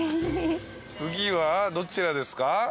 次はどちらですか？